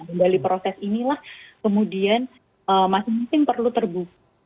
kembali proses inilah kemudian masing masing perlu terbuka